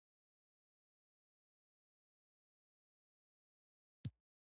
عمومي ناکراري پیل شوه.